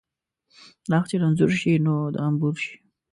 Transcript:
غاښ چې رنځور شي ، نور د انبور شي .